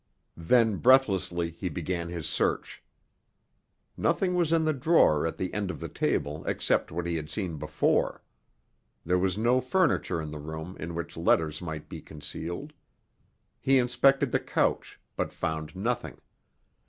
Then breathlessly he began his search. Nothing was in the drawer at the end of the table except what he had seen before. There was no furniture in the room in which letters might be concealed. He inspected the couch, but found nothing.